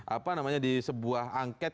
apa namanya di sebuah angket